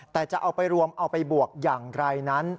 แต่จะเอาไปรวมเอาไปบวกอย่างไรนั้น